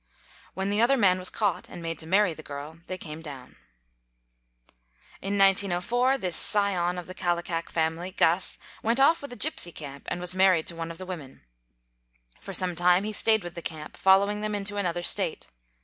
When the other man was caught and made to marry the girl, they came down. In 1904, this scion of the Kallikak family, Guss, went off with a gypsy camp and was married to one of the women. For some time he stayed with the camp, fol lowing them into another State.